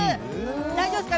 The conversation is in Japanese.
大丈夫ですか？